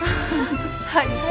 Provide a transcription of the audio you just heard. はい。